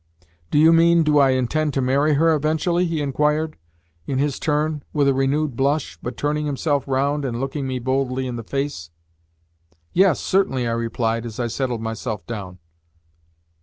"Do you mean, do I intend to marry her eventually?" he inquired, in his turn, with a renewed blush, but turning himself round and looking me boldly in the face. "Yes, certainly," I replied as I settled myself down.